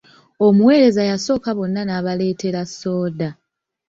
Omuweereza yasooka bonna n'abaleetera sooda.